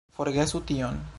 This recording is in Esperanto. Forgesu tion!